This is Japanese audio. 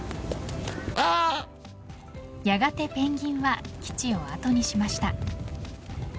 やがてペンギンは基地をあとにしました。